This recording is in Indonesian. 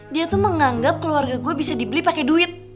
dia tuh menganggap keluarga gue bisa dibeli pakai duit